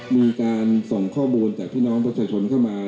มีการส่งข้อมูลจากพี่น้องประชาชนเข้ามา